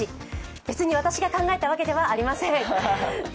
別に私が考えたわけではありません。